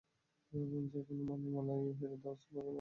কোন কোন বর্ণনায় আছে যে, ফিরদাউসবাসীগণ আরশের শব্দ শুনে থাকে।